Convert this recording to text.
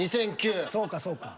そうかそうか。